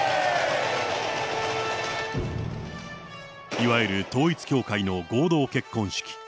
いわゆる統一教会の合同結婚式。